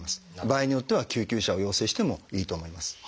場合によっては救急車を要請してもいいと思います。